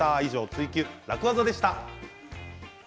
「ツイＱ楽ワザ」でした。